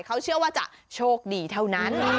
เขาเชื่อว่าจะโชคดีเท่านั้น